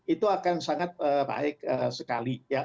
itu akan sangat baik sekali